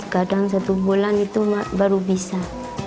kadang satu bulan itu baru bisa